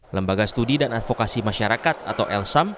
lembaga studi dan advokasi masyarakat atau lsam